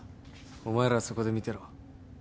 お前らはそこで見てろ。